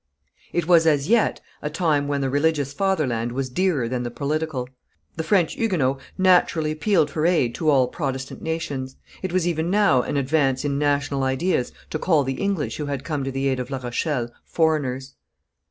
It was as yet a time when the religious fatherland was dearer than the political; the French Huguenots naturally appealed for aid to all Protestant nations. It was even now an advance in national ideas to call the English who had come to the aid of La Rochelle foreigners.